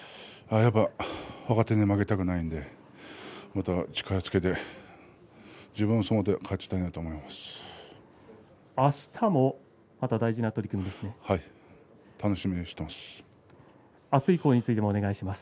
やっぱり若手に負けたくないのでまた力をつけて自分の相撲で勝ちたいなとあしたもはい、楽しみにしています。